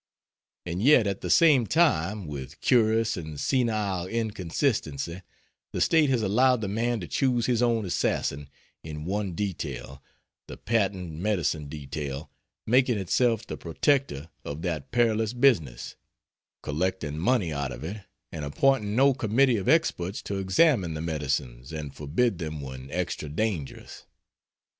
And yet at the same time, with curious and senile inconsistency, the State has allowed the man to choose his own assassin in one detail the patent medicine detail making itself the protector of that perilous business, collecting money out of it, and appointing no committee of experts to examine the medicines and forbid them when extra dangerous.